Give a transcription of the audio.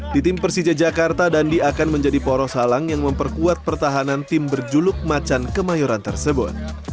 di tim persija jakarta dandi akan menjadi poros halang yang memperkuat pertahanan tim berjuluk macan kemayoran tersebut